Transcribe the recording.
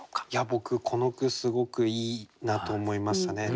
僕この句すごくいいなと思いましたね。